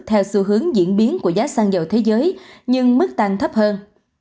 theo xu hướng diễn biến của giá xăng dầu thế giới nhưng mức tăng thấp hơn